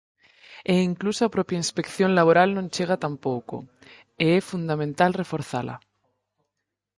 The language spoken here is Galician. E incluso a propia inspección laboral non chega tampouco, e é fundamental reforzala.